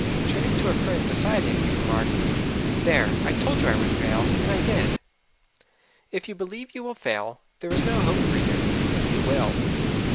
Turning to a friend beside him he remarked, "There, I told you I would fail, and I did." If you believe you will fail, there is no hope for you. You will.